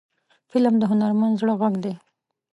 فلم د هنرمند زړه غږ دی